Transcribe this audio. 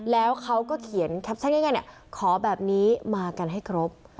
แล้วเขาก็เขียนแคปชั่นง่ายขอแบบนี้มากันให้ครบ